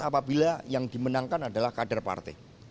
apabila yang dimenangkan adalah kader partai